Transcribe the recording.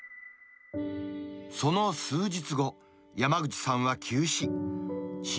その数日後、山口さんは急死。